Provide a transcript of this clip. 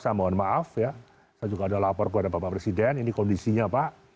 saya mohon maaf ya saya juga sudah lapor kepada bapak presiden ini kondisinya pak